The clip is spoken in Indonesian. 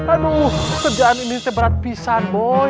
aduh kerjaan ini seberat pisan boy